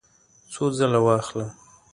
څو ځله واخلم؟